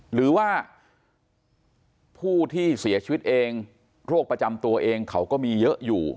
หรือว่าผู้ที่เสียชีวิตเองโรคประจำตัวเองเขาก็มีเยอะอยู่